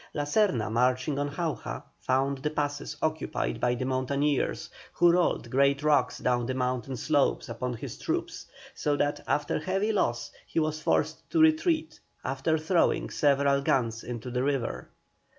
La Serna, marching on Jauja, found the passes occupied by the mountaineers, who rolled great rocks down the mountain slopes upon his troops, so that, after heavy loss, he was forced to retreat, after throwing several guns into the river.